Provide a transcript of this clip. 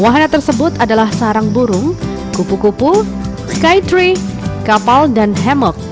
wahana tersebut adalah sarang burung kupu kupu sky three kapal dan hammock